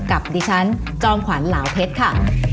กับดิฉันจอมขวัญเหลาเพชรค่ะ